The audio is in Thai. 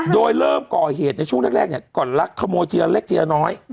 โดยเริ่มก่อเหตุในช่วงแรกเนี่ยก่อนลักขโมยทีละเล็กทีละน้อย